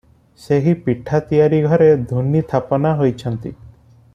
ସେହି ପିଠା ତିଆରି ଘରେ ଧୂନି ଥାପନା ହୋଇଛନ୍ତି ।